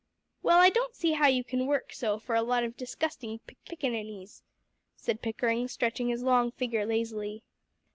"Well, I don't see how you can work so for a lot of disgusting pickaninnies," said Pickering, stretching his long figure lazily.